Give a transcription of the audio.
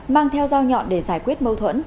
mang theo giao nhọn để giải quyết mâu thuẫn